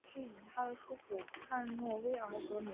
该地区以它的首府汉诺威而得名。